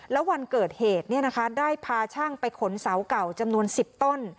แล้ววันเกิดเหตุเนี่ยนะคะได้พาชั่งไปขนเสาเก่าจำนวนสิบต้น